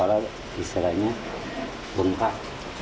kalau nggak apalah istirahatnya bengkak